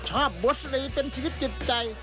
บทสตรีเป็นชีวิตจิตใจ